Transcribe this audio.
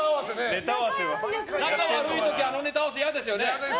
仲悪い時にあのネタ合わせ、嫌ですよね。